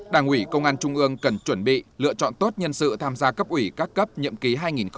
đảng ủy công an trung ương cần chuẩn bị lựa chọn tốt nhân sự tham gia cấp ủy các cấp nhậm ký hai nghìn hai mươi hai nghìn hai mươi năm